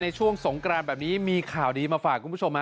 ช่วงสงกรานแบบนี้มีข่าวดีมาฝากคุณผู้ชม